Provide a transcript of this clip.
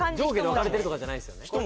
上下で分かれてるとかじゃないんですよね？